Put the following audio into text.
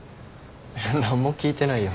えっ何も聞いてないよ。